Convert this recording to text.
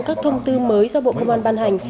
các thông tư mới do bộ công an ban hành